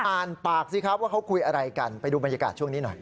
อ่านปากสิครับว่าเขาคุยอะไรกันไปดูบรรยากาศช่วงนี้หน่อย